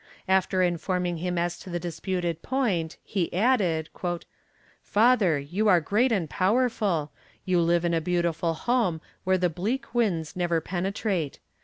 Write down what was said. After informing him as to the disputed point, he added: "Father, you are great and powerful. You live in a beautiful home where the bleak winds never penetrate.